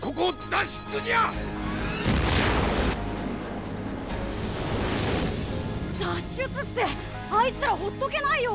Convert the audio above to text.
脱出ってあいつらほっとけないよ。